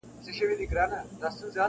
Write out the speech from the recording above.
ورته کښې یې ښوده ژر یوه تلکه -